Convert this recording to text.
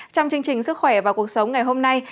trong chương trình sức khỏe và cuộc sống ngày hôm nay